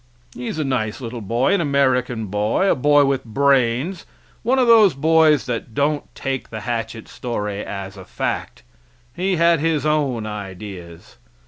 He is a nice little boy, an American boy, a boy with brains, one of those boys that don't take the hatchet story as a fact; he had his own ideas.